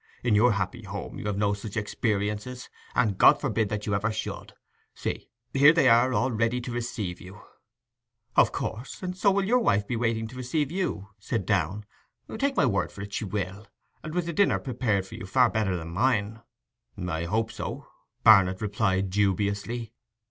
In your happy home you have had no such experiences; and God forbid that you ever should. See, here they are all ready to receive you!' 'Of course! And so will your wife be waiting to receive you,' said Downe. 'Take my word for it she will! And with a dinner prepared for you far better than mine.' 'I hope so,' Barnet replied dubiously.